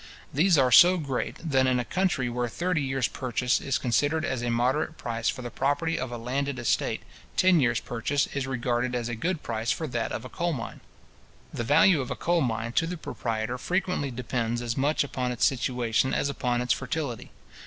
These are so great, that in a country where thirty years purchase is considered as a moderate price for the property of a landed estate, ten years purchase is regarded as a good price for that of a coal mine. The value of a coal mine to the proprietor, frequently depends as much upon its situation as upon its fertility.